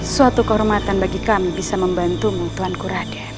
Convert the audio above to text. suatu kehormatan bagi kami bisa membantumu tuanku raden